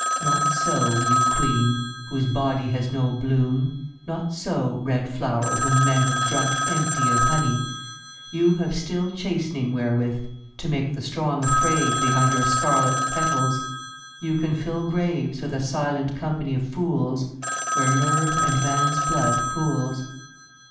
Not so, you queen whose body has no bloom, Not so, red flower whom Men have drunk empty of honey ; you have still Chastening wherewith to make the strong afraid Behind your scarlet petals ; you can fill Graves with a silent company of fools Where nerve and man's blood cools.